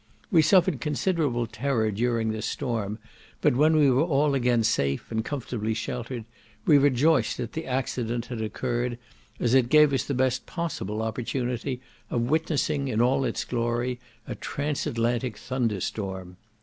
We suffered considerable terror during this storm, but when we were all again safe, and comfortably sheltered, we rejoiced that the accident had occurred, as it gave us the best possible opportunity of witnessing, in all its glory, a transatlantic thunderstorm.